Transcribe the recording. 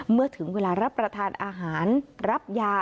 เมื่อถึงเวลารับประทานอาหารรับยา